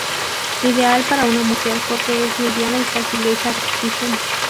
Ideal para una mujer porque es liviana y fácil de usar dicen.